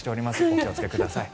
お気をつけください。